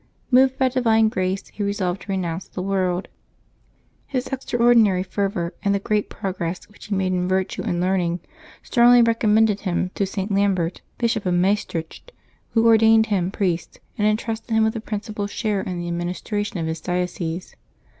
Moved by divine grace, he resolved to renounce the world. His extraordinary fervor, and the great progress which he made in virtue and learning, strongly recommended him to St. Lambert, Bishop of Maestricht, who ordained him priest, and entrusted him with the principal share in the administration of his diocese.